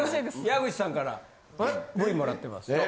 矢口さんからＶもらってますよ。